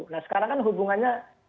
nah sekarang kan hubungannya